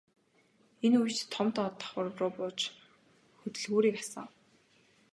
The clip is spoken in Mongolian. Энэ үед Том доод давхарруу бууж хөдөлгүүрийг асаав.